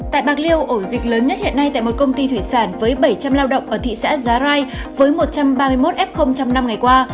tại bạc liêu ổ dịch lớn nhất hiện nay tại một công ty thủy sản với bảy trăm linh lao động ở thị xã giá rai với một trăm ba mươi một f trong năm ngày qua